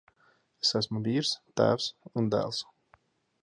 Es esmu vīrs, tēvs un dēls.